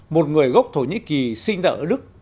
một người gốc thổ nhĩ kỳ sinh ra ở đức